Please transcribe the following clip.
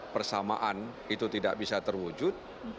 persamaan itu tidak bisa terwujud